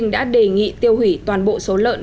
đề nghị tiêu hủy toàn bộ số lợn